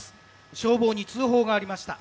消防に通報がありました。